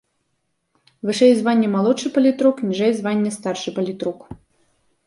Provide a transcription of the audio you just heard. Вышэй звання малодшы палітрук, ніжэй звання старшы палітрук.